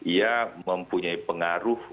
ia mempunyai pengaruh